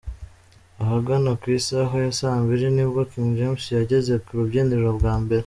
Ahagana ku isaha ya saa mbili nibwo King James yageze ku rubyiniro bwa mbere.